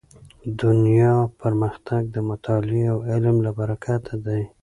دنیا پرمختګ د مطالعې او علم له برکته دی.